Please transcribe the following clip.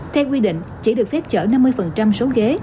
theo quy định chỉ được phép chở năm mươi số ghế